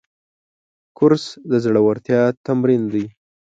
کورس د زړورتیا تمرین دی.